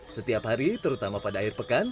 setiap hari terutama pada akhir pekan